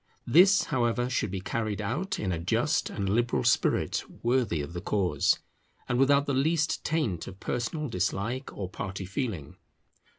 This, however, should be carried out in a just and liberal spirit worthy of the cause, and without the least taint of personal dislike or party feeling.